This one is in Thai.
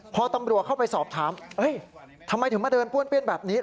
พอตำรวจเข้าไปสอบถามทำไมถึงมาเดินป้วนเปี้ยนแบบนี้